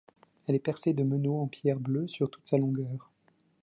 Elle est percée de meneaux en pierre bleue sur toute sa longueur.